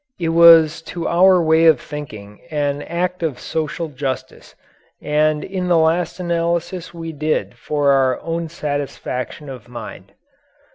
It was to our way of thinking an act of social justice, and in the last analysis we did it for our own satisfaction of mind.